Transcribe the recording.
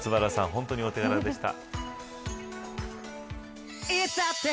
本当にお手柄でした。